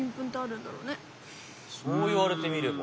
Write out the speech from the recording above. そういわれてみれば。